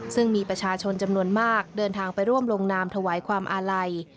ซึ่งมีประชาชนจำนวนมากเดินทางไปร่วมลงนามถวายความอาลัย